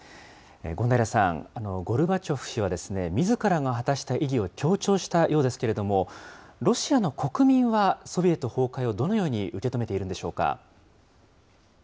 権平さん、ゴルバチョフ氏は、みずからの果たした意義を強調したようですけれども、ロシアの国民は、ソビエト崩壊をどのように受け止めているんでしょうか。